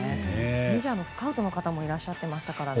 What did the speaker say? メジャーのスカウトの方もいらっしゃっていましたね。